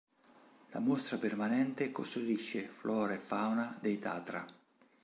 La mostra permanente custodisce flora e fauna dei Tatra.